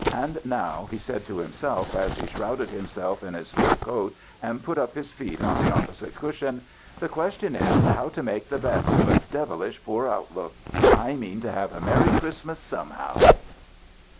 " And now," he said to himself, as he shrouded himself in his fur coat and put up his feet on the opposite cushion, *' the question is how to make the best of a devil ish poor outlook. I mean to have a merry Christmas somehow."